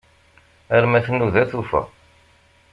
Arma tnuda tufa.